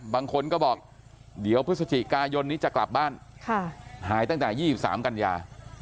บางคนก็บอกเดี๋ยวพฤศจิกายนนี้จะกลับบ้านหายตั้งแต่๒๓กันยา